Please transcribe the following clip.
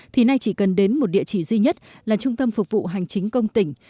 thì nay chỉ cần đến một địa chỉ duy nhất là trung tâm phục vụ hành chính công tỉnh